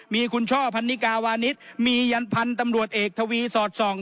มีคุณช่อพันนิกาวานิสมียันพันธุ์ตำรวจเอกทวีสอดส่อง